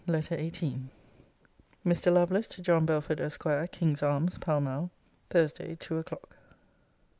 LETTER XVIII MR. LOVELACE, TO JOHN BELFORD, ESQ. KING'S ARMS, PALL MALL, THURSDAY, TWO O'CLOCK.